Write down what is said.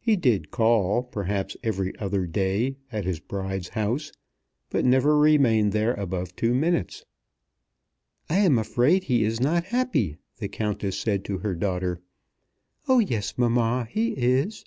He did call, perhaps, every other day at his bride's house, but never remained there above two minutes. "I am afraid he is not happy," the Countess said to her daughter. "Oh, yes, mamma, he is."